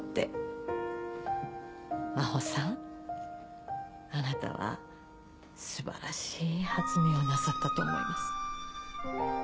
マホさんあなたは素晴らしい発明をなさったと思います。